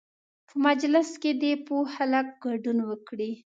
په مجلس کې دې پوه خلک ګډون وکړي.